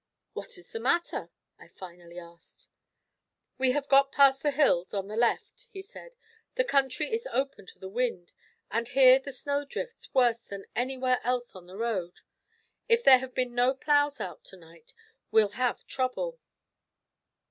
"What is the matter?" I finally asked. "We have got past the hills, on the left," he said. "The country is open to the wind, and here the snow drifts worse than anywhere else on the road. If there have been no ploughs out to night we'll have trouble."